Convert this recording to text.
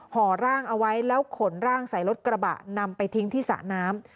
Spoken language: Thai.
ห่อร่างเอาไว้แล้วขนร่างใส่รถกระบะนำไปทิ้งที่สระน้ำ